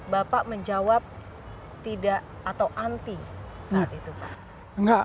bapak menjawab tidak atau anti saat itu pak